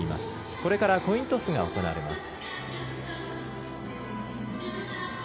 これからコイントスが行われます。